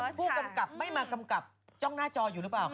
ผู้กำกับไม่มากำกับจ้องหน้าจออยู่หรือเปล่าคะ